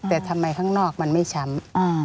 แต่ทำไมข้างนอกมันไม่ช้ำ